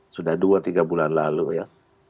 sudah dua tiga bulan lalu ya